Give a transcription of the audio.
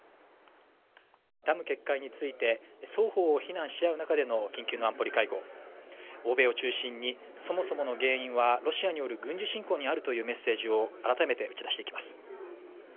ダム決壊について双方を非難し合う中での緊急の安保理会合欧米を中心に、そもそもの原因は、ロシアによる軍事侵攻にあるというメッセージを改めて打ち出していきます。